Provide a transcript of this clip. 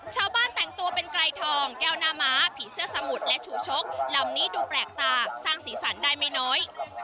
ชาวบ้านแต่งตัวเป็นไกรทองแก้วหน้าม้าผีเสื้อสมุทรและชูชกลำนี้ดูแปลกตาสร้างสีสันได้ไม่น้อย